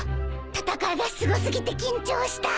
戦いがすごすぎて緊張した。